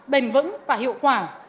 bền vững và hiệu quả